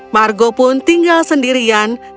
margo pun tinggal sendirian